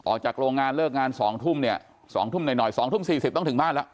ออกจากโรงงานเลิกงานสองทุ่มเนี่ยสองทุ่มหน่อยหน่อยสองทุ่มสี่สิบต้องถึงบ้านแล้ว